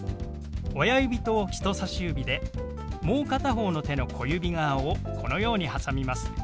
親指と人さし指でもう片方の手の小指側をこのようにはさみます。